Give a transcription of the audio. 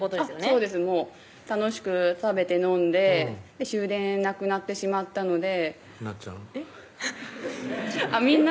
そうですもう楽しく食べて飲んで終電なくなってしまったのでハナちゃん